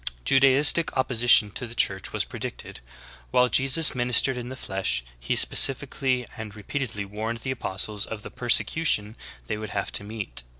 9. Judaistic opposition to the Church was predicted. While Jesus ministered in the flesh He specifically and re peatedly warned the apostles of the persecution they would have to meet.